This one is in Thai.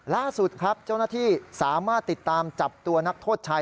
ล่าสุดครับเจ้าหน้าที่สามารถติดตามจับตัวนักโทษชาย